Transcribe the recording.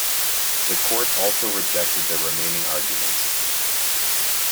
The court also rejected their remaining arguments.